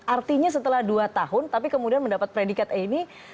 artinya setelah dua tahun tapi kemudian mendapat predikat e ini